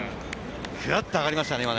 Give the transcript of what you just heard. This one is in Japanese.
ぐっと上がりましたね。